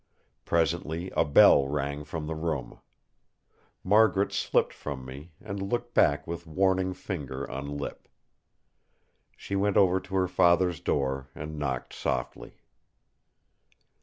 Presently a bell rang from the room. Margaret slipped from me, and looked back with warning finger on lip. She went over to her father's door and knocked softly.